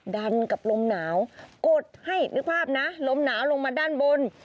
ดันกับลมหนาวกดให้นึกภาพนะลมหนาวลงมาด้านบน